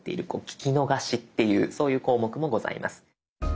聴き逃しっていうそういう項目もございます。